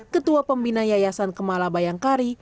ketua pembina yayasan kemala bayangkari